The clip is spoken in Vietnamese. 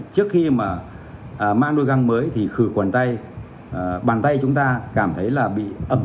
trước khi mà mang đôi găng mới thì khử khuẩn tay bàn tay chúng ta cảm thấy là bị ẩm